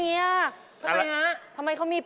เดี๋ยวขอดูเพราะทำไมเขาแบบนี้